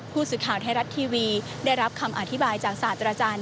ผู้สื่อข่าวไทยรัฐทีวีได้รับคำอธิบายจากศาสตราจารย์